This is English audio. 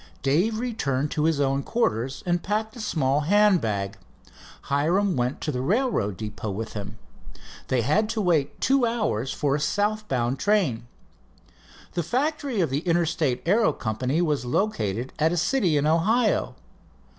Dave returned to his own quarters and packed a small hand bag. Hiram went to the railroad depot with him. They had to wait two hours for a south bound train. The factory of the Interstate Aero Company was located at a city in Ohio.